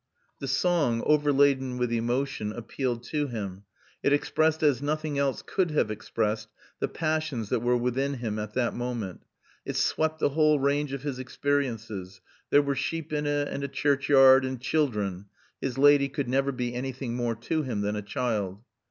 The song, overladen with emotion, appealed to him; it expressed as nothing else could have expressed the passions that were within him at that moment. It swept the whole range of his experiences, there were sheep in it and a churchyard and children (his lady could never be anything more to him than a child).